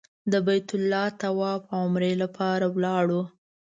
د بیت الله طواف او عمرې لپاره لاړو.